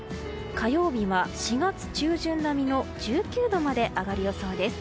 火曜日は４月中旬並みの１９度まで上がる予想です。